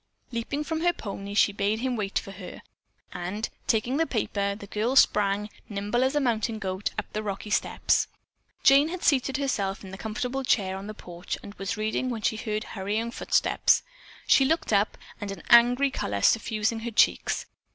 Leaping from her pony, she bade him wait for her, and, taking the paper, the girl sprang, nimble as a mountain goat, up the rocky steps. Jane had seated herself in the comfortable chair on the porch, and was reading when she heard hurrying footsteps. She looked up, an angry color suffusing her cheeks.